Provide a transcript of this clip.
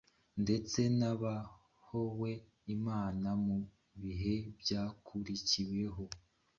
ndetse n’abahowe Imana mu bihe byakurikiyeho.